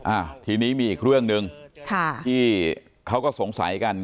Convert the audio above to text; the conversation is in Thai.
อ่าทีนี้มีอีกเรื่องหนึ่งค่ะที่เขาก็สงสัยกัน